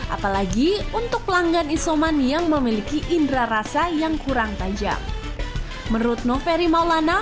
apalagi untuk pelanggan isoman yang memiliki indra rasa yang kurang tajam menurut noferi maulana